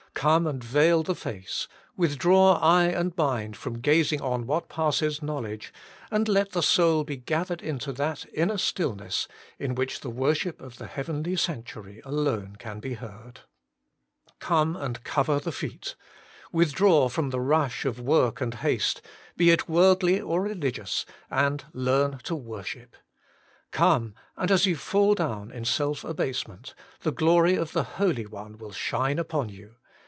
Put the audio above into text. Come and veil the face : with draw eye and mind from gazing on what passes knowledge, and let the soul be gathered into that inner stillness, in which the worship of the heavenly Sanctuary alone can be heard. Come and cover the feet : withdraw from the rush of work and haste, be it worldly or religious, and learn to worship. Come, and as you fall down in self abase ment, the glory of the Holy One will shine upon you.